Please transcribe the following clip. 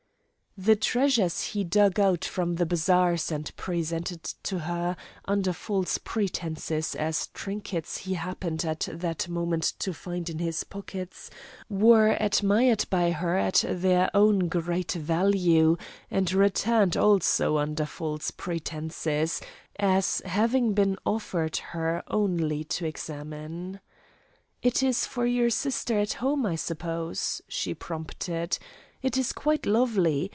The treasures he dug out of the bazaars and presented to her, under false pretenses as trinkets he happened at that moment to find in his pockets, were admired by her at their own great value, and returned also under false pretenses, as having been offered her only to examine. "It is for your sister at home, I suppose," she prompted. "It's quite lovely.